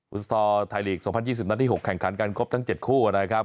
วิสิทธิ์ทอร์ไทยหลีกสองพันยี่สิบนาทีหกแข่งขันกันครบทั้งเจ็ดคู่นะครับ